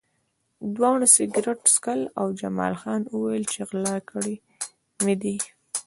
دواړو سګرټ څښل او جمال خان وویل چې غلا کړي مې دي